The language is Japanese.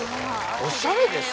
おしゃれですね。